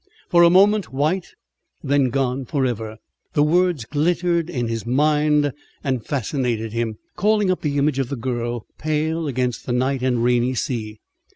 "For a moment white, then gone forever." The words glittered in his mind, and fascinated him, calling up the image of the girl, pale against the night and rainy sea.